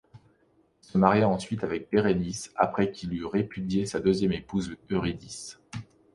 Il se maria ensuite avec Bérénice après qu'il eut répudié sa deuxième épouse Eurydice.